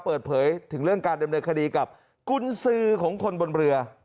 เปิดเผยถึงเรื่องการดำเนินคดีกับกุญสือของคนบนเรือ